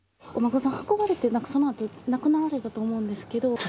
お孫さん、運ばれて、そのあと、亡くなられたと思うんですけど。